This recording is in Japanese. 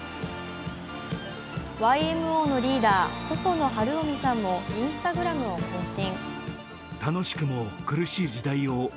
ＹＭＯのリーダー、細野晴臣さんもＩｎｓｔａｇｒａｍを更新。